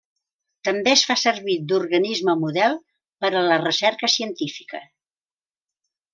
També es fa servir d'organisme model per a la recerca científica.